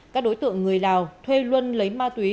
các đối tượng người lào thuê luân lấy ma túy